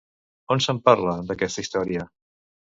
On se'n parla, d'aquesta història?